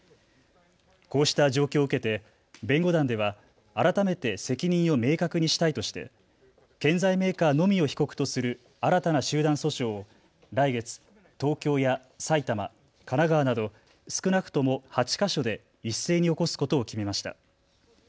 こうした状況を受けて弁護団では革めて責任を明確にしたいとして建材メーカーのみを被告とする新たな集団訴訟を来月、東京や埼玉、神奈川など少なくとも８か所で一斉に起こすことを決めました。